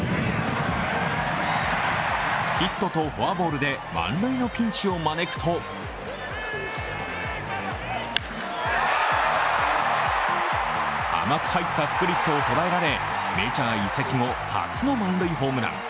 ヒットとフォアボールで満塁のピンチを招くと甘く入ったスプリットを捉えられ、メジャー移籍後初の満塁ホームラン。